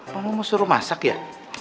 kamu mau suruh masak ya